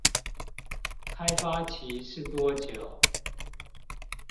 開發期是多久？